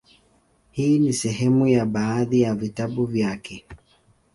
Hii ni sehemu ya baadhi ya vitabu vyake;